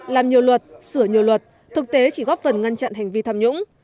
làm nhiều luật sửa nhiều luật thực tế chỉ góp phần ngăn chặn hành vi tham nhũng